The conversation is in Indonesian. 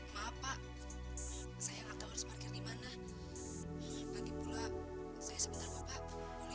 mas tahu nggak